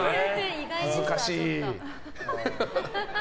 恥ずかしい。